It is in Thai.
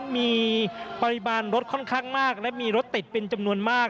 มีปริมาณรถค่อนข้างมากและมีรถติดเป็นจำนวนมาก